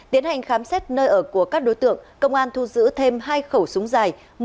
tiến hành khám xét nơi ở của các đối tượng công an thu giữ thêm hai khẩu súng dài